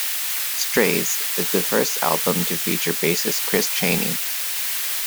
"Strays" is the first album to feature bassist Chris Chaney.